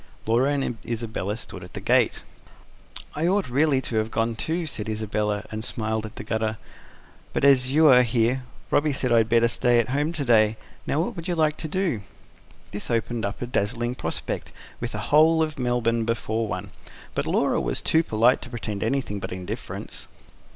Laura and Isabella stood at the gate. "I ought really to have gone, too," said Isabella, and smiled at the gutter. "But as you are here, Robby said I had better stay at home to day. Now what would you like to do?" This opened up a dazzling prospect, with the whole of Melbourne before one. But Laura was too polite to pretend anything but indifference.